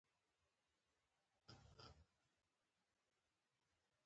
ډیالکټوس د خبري کوو طریقې ته وایي.